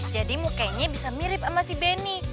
jadi mukanya bisa mirip sama si benny